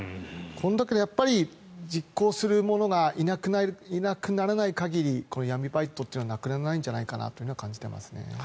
だけど、やっぱり実行する者がいなくならない限りこの闇バイトというのはなくならないんじゃないかと感じてますね。